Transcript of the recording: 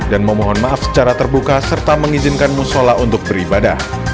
dan memohon maaf secara terbuka serta mengizinkan musola untuk beribadah